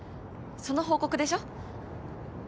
その報告でしょ？